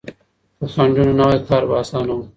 که خنډونه نه واي کار به اسانه و.